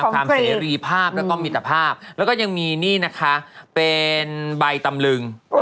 เสรีภาพแล้วก็มิตรภาพแล้วก็ยังมีนี่นะคะเป็นใบตำลึง